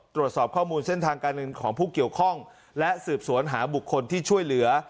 ตรวจสอบข้อมูลเส้นทางการเงินของผู้เกี่ยวข้องและสืบสวนหาบุคคลที่ช่วยเหลือ